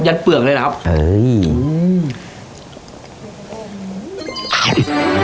ยันเปลือกเลยครับเฮ้ยอื้อหืม